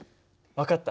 分かった。